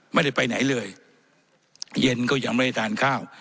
ไม่ได้ไปไหนเลยเย็นก็ยังไม่ได้ทานข้าว